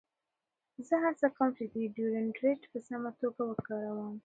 زه هڅه کوم چې ډیوډرنټ په سمه توګه وکاروم.